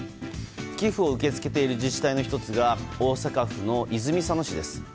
寄付を受け付けている自治体の１つが大阪府の泉佐野市です。